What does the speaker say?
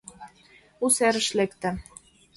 У серыш лекте: